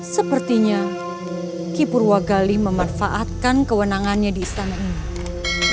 sepertinya kipur wagali memanfaatkan kewenangannya di istana ini